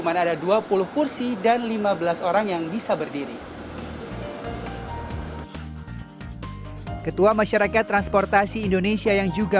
mana ada dua puluh kursi dan lima belas orang yang bisa berdiri ketua masyarakat transportasi indonesia yang juga